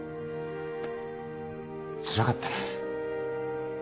つらかったね。